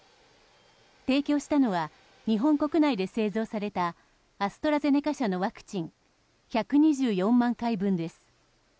提供したのは日本国内で製造されたアストラゼネカ社のワクチン１２４万回分です。